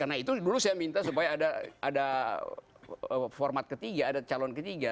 karena itu dulu saya minta supaya ada format ketiga ada calon ketiga